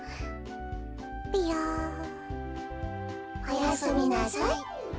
おやすみなさい。